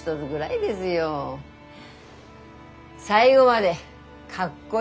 最後までかっこよ